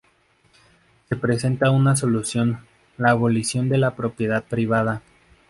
Se presenta una solución: la abolición de la propiedad privada.